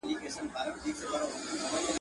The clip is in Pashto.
د پاچا د لوڅ بدن خبره سره سوه .